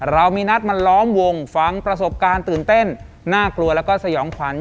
เรามีนัดมาล้อมวงฟังประสบการณ์ตื่นเต้นน่ากลัวแล้วก็สยองขวัญ